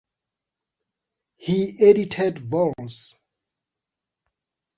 He edited vols.